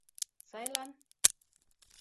Сайлан?